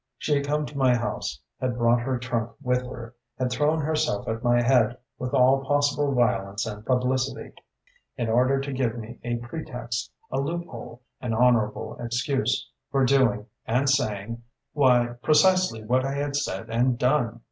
She had come to my house, had brought her trunk with her, had thrown herself at my head with all possible violence and publicity, in order to give me a pretext, a loophole, an honourable excuse, for doing and saying why, precisely what I had said and done!